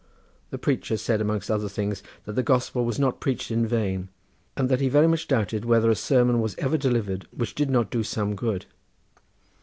The preacher said amongst other things that the Gospel was not preached in vain, and that he very much doubted whether a sermon was ever delivered which did not do some good.